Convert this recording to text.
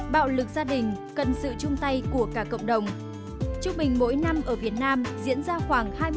bạo lực gia đình